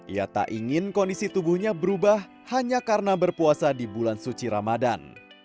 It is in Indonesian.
ia tak ingin kondisi tubuhnya berubah hanya karena berpuasa di bulan suci ramadan